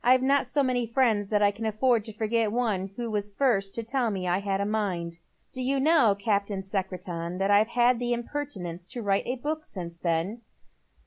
I've not so many friends that I can afford to forget the one who was the first to tell me I had a mind. Do you know, Cap tain Secretan, that I've had the impertinence to write a book since then?